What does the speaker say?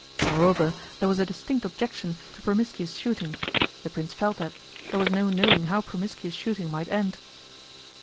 Moreover, there was a distinct objection to promiscuous shooting. The Prince felt that there was no knowing how promiscuous shooting might end.